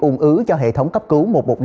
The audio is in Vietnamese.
ung ứ cho hệ thống cấp cứu một trăm một mươi năm